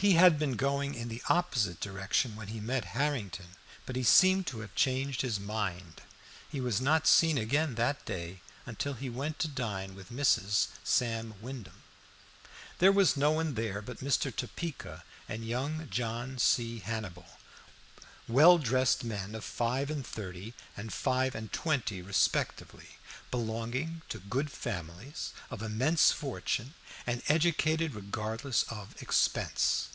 He had been going in the opposite direction when he met Harrington, but he seemed to have changed his mind. He was not seen again that day until he went to dine with Mrs. Sam Wyndham. There was no one there but Mr. Topeka and young John C. Hannibal, well dressed men of five and thirty and five and twenty respectively, belonging to good families of immense fortune, and educated regardless of expense.